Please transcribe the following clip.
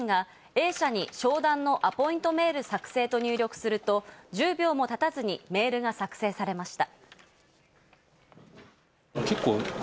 例えば社員が「Ａ社に商談のアポイントメール作成」と入力すると１０秒もたたずにメールが作成されました。